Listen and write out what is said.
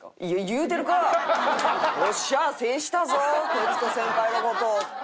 徹子先輩の事を！